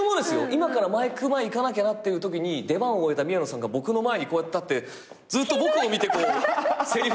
今からマイク前行かなきゃなっていうときに出番を終えた宮野さんが僕の前にこうやって立ってずっと僕を見てせりふ言ってるんですから。